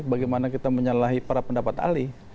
bagaimana kita menyalahi para pendapat ahli